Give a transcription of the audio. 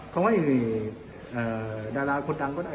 เขาไปสอบที่ไหนก็ได้